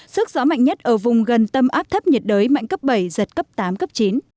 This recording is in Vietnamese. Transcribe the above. sức gió mạnh nhất ở vùng gần tâm áp thấp nhiệt đới mạnh cấp bảy giật cấp tám cấp chín